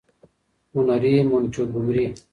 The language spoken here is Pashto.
- هنري مونټګومري :